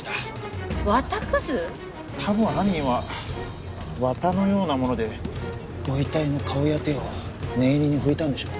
多分犯人は綿のようなものでご遺体の顔や手を念入りに拭いたんでしょう。